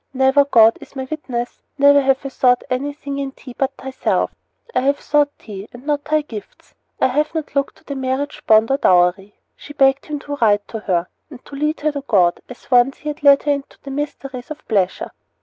Never, God is my witness, never have I sought anything in thee but thyself; I have sought thee, and not thy gifts. I have not looked to the marriage bond or dowry. She begged him to write to her, and to lead her to God, as once he had led her into the mysteries of pleasure.